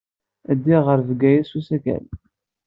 Ddiɣ ɣer Bgayet s usakal.